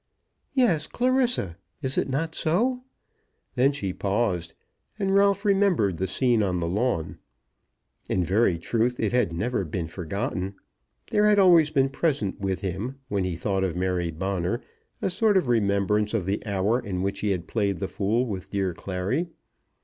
"Yes; Clarissa. Is it not so?" Then she paused, and Ralph remembered the scene on the lawn. In very truth it had never been forgotten. There had always been present with him when he thought of Mary Bonner a sort of remembrance of the hour in which he had played the fool with dear Clary.